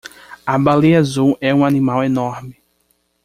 A baleia azul é um animal enorme.